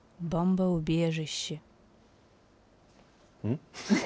ん？